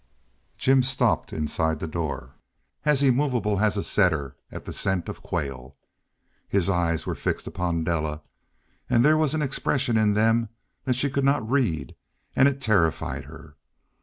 Jim stopped inside the door, as immovable as a setter at the scent of quail. His eyes were fixed upon Della, and there was an expression in them that she could not read, and it terrified her.